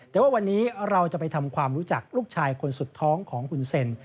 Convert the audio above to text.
แต่ว่าวันนี้เราจะไปทำความรู้จักลูกชายคนสุดท้องของคุณเซ็น